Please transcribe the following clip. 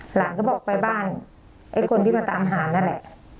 หลานก็บอกไปบ้านไอ้คนที่มาตามหานั่นแหละ